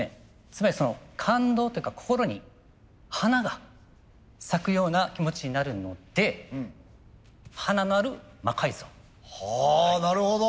つまり感動というか心に華が咲くような気持ちになるので「”華”のある魔改造」。はなるほど！